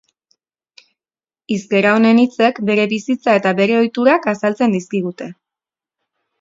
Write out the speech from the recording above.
Hizkera honen hitzek bere bizitza eta bere ohiturak azaltzen dizkigute.